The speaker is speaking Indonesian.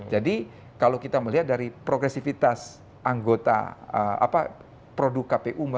jadi kalau kita melihat dari progresivitas anggota produk kpu